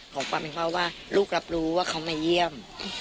ขอความเป็นพ่อว่าลูกรับรู้ว่าเขามาเยี่ยม